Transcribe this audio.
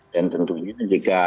dan tentunya jika